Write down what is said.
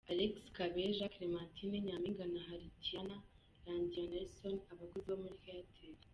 Alexis Kabeja, Clementine Nyampinga na Heritiana Randrianarison abakozi muri Airtel.